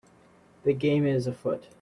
The game is afoot